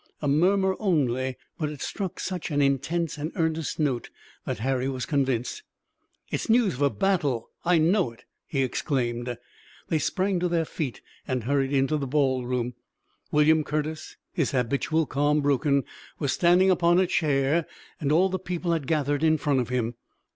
A murmur only, but it struck such an intense and earnest note that Harry was convinced. "It's news of battle! I know it!" he exclaimed. They sprang to their feet and hurried into the ballroom. William Curtis, his habitual calm broken, was standing upon a chair and all the people had gathered in front of him.